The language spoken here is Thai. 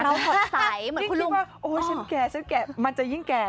ยิ่งคิดว่าโอ้ยฉันแก่ฉันแก่มันจะยิ่งแก่